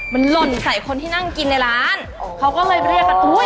มันหล่นใส่คนที่นั่งกินในร้านเขาก็เลยเรียกกันอุ้ย